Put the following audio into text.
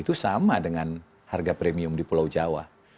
itu sama dengan harga premium di pulau jawa